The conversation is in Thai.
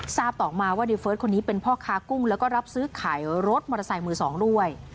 ต่อมาว่าในเฟิร์สคนนี้เป็นพ่อค้ากุ้งแล้วก็รับซื้อขายรถมอเตอร์ไซค์มือสองด้วย